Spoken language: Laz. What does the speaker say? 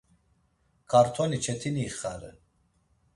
Kartoni çetini ixaren.